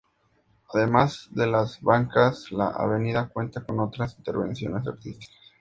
Además de las bancas, la avenida cuenta con otras intervenciones artísticas.